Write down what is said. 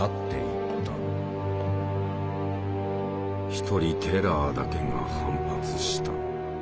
一人テラーだけが反発した。